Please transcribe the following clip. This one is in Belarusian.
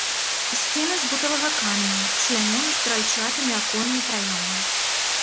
Сцены з бутавага каменю, члянёны стральчатымі аконнымі праёмамі.